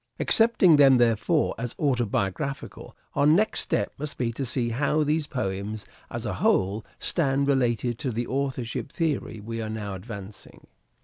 Accepting them, therefore, as auto biographical, our next step must be to see how these poems, as a whole, stand related to the authorship theory we are now advancing.